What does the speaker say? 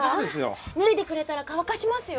脱いでくれたら乾かしますよ。